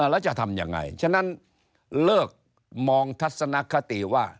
แล้วจะทำยังไงฉะนั้นเลิกมองทัศนคติว่า